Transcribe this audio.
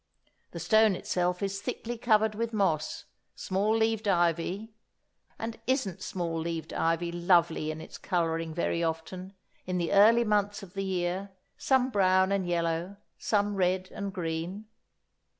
The stone itself is thickly covered with moss, small leaved ivy (and isn't small leaved ivy lovely in its colouring very often, in the early months of the year, some brown and yellow, some red and green?)